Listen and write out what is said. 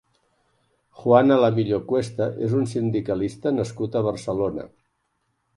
Juan Alamillo Cuesta és un sindicalista nascut a Barcelona.